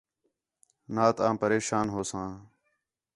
نات آں پریشان ہوساں